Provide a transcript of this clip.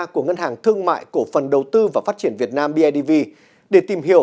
của ngân hàng thương mại cổ phần đầu tư và phát triển việt nam bidv để tìm hiểu